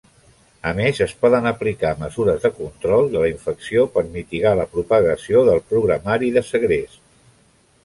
A més, es poden aplicar mesures de control de la infecció per mitigar la propagació del programari de segrest.